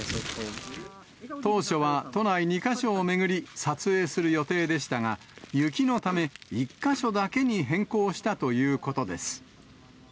当初は都内２か所を巡り、撮影する予定でしたが、雪のため、１か所だけに変更したということです。